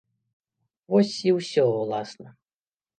Вось і ўсё ўласна.